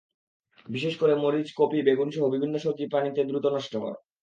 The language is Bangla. বিশেষ করে মরিচ, কপি, বেগুনসহ বিভিন্ন সবজি পানিতে দ্রুত নষ্ট হয়।